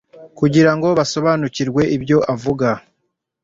kugira ngo basobanukirwe ibyo avuga.